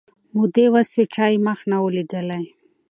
مودې وسوې چا یې مخ نه وو لیدلی